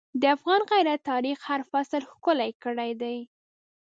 د افغان غیرت د تاریخ هر فصل ښکلی کړی دی.